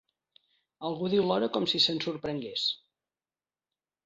Algú diu l'hora com si se'n sorprengués.